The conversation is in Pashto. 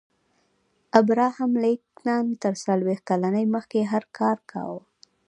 ابراهم لینکن تر څلویښت کلنۍ مخکې هر کار کاوه